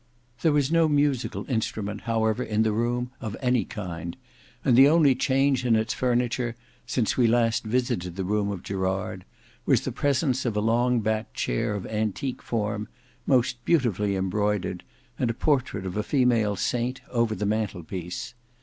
There was no musical instrument however in the room of any kind, and the only change in its furniture, since we last visited the room of Gerard, was the presence of a long backed chair of antique form, most beautifully embroidered, and a portrait of a female saint over the mantel piece.